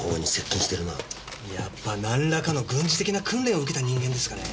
やっぱなんらかの軍事的な訓練を受けた人間ですかね。